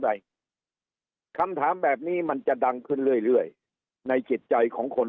ใดคำถามแบบนี้มันจะดังขึ้นเรื่อยในจิตใจของคน